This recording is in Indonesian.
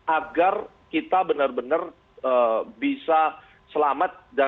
agar kita benar benar bisa selamat